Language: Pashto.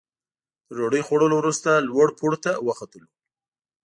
د ډوډۍ خوړلو وروسته لوړ پوړ ته وختلو.